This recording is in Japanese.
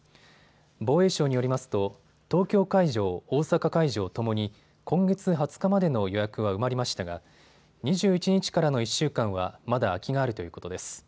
防衛省によりますと東京会場、大阪会場ともに今月２０日までの予約は埋まりましたが２１日からの１週間はまだ空きがあるということです。